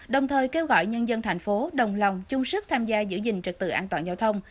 đồng thời kêu gọi nhân dân thành phố đồng lòng chung sức tham gia giữ gìn trực tự an toàn giao thông